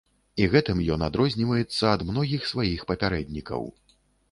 І гэтым ён адрозніваецца ад многіх сваіх папярэднікаў.